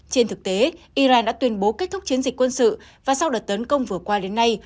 trên thực tế iran đã tuyên bố kết thúc chiến dịch quân sự và sau đợt tấn công vừa qua đến nay